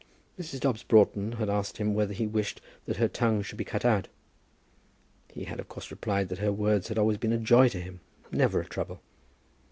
Mrs. Dobbs Broughton had asked him whether he wished that her tongue should be cut out, and he had of course replied that her words had always been a joy to him, never a trouble.